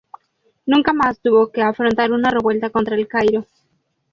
Nunca más tuvo que afrontar una revuelta contra El Cairo.